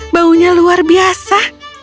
baunya luar biasa